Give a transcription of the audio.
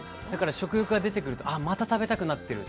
食欲が出てくるとまた食べたくなってくると。